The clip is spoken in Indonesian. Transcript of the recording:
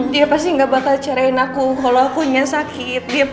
dia pasti gak bakal cariin aku kalau akunya sakit